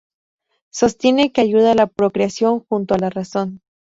Sostiene que ayuda a la procreación junto a la razón.